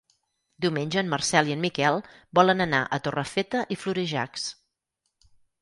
Diumenge en Marcel i en Miquel volen anar a Torrefeta i Florejacs.